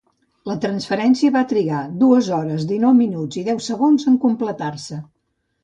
La transferència va trigar dues hores, dinou minuts i deu segons en completar-se.